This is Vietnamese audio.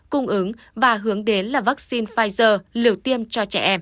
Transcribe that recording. cung ứng và hướng đến là vaccine pfizer lửa tiêm cho trẻ em